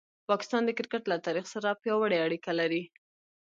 پاکستان د کرکټ له تاریخ سره پیاوړې اړیکه لري.